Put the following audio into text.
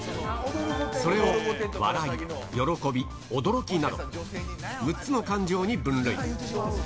それを笑い、喜び、驚きなど、６つの感情に分類。